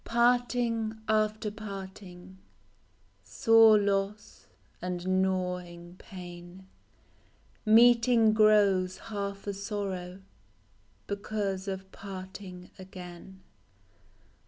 T)ARTING after parting, Sore loss and gnawing pain; Meeting grows half a sorrow, Because of parting again.